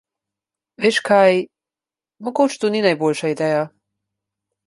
Veš kaj, mogoče to ni najboljša ideja.